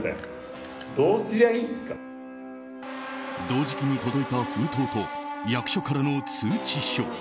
同時期に届いた封筒と役所からの通知書。